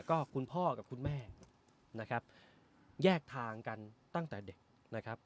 ก็คุณพ่อกับคุณแม่นะครับแยกทางกันตั้งแต่เด็กนะครับ